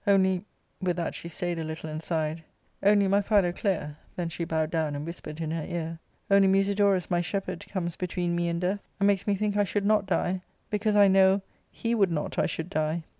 Only" — ^with that she stayed a little and sighed —" only, my Philo clea'* — then she bowed down and whispered in her ear —" only Musidorus, my shepherd, comes between me and death, and makes me think I should not die because I know he would not I should die."